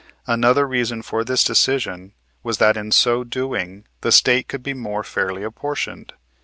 Another reason for this decision was that in so doing, the State could be more fairly apportioned.